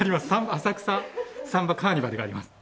浅草サンバカーニバルがあります。